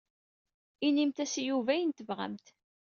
Inimt-as i Yuba ayen i tebɣamt.